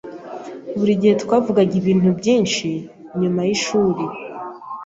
Buri gihe twavugaga ibintu byinshi nyuma yishuri.